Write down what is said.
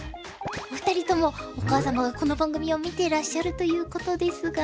お二人ともお母様がこの番組を見ていらっしゃるということですが？